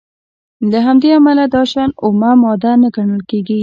له همدې امله دا شیان اومه ماده نه ګڼل کیږي.